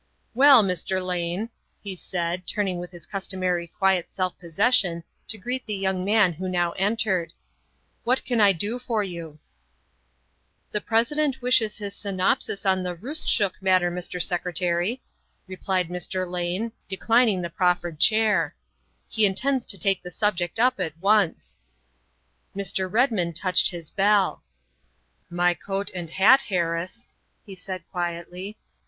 " Well, Mr. Lane," he said, turning with his cus 186 THE WIFE OF ternary quiet self possession to greet the young man who now entered, '' what can I do for you ?''" The President wishes his synopsis on the Roost chook matter, Mr. Secretary," replied Mr. Lane, de clining the proffered chair, " he intends to take the subject up at once." Mr. Redmond touched his bell. " My coat and hat, Harris," he said quietly.